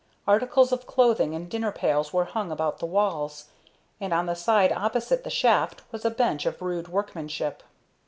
Articles of clothing and dinner pails were hung about the walls, and on the side opposite the shaft was a bench of rude workmanship.